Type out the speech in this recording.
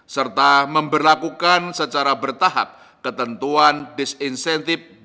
serta memperlakukan secara bertahap ketentuan disinsentif